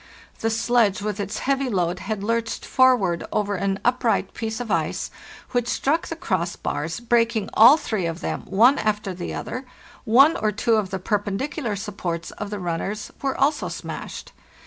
The sledge, with its heavy load, had lurched forward over an upright piece of ice, which struck the crossbars, breaking all three of them, one after the other; one or two of the perpendicular supports of the runners were also smashed.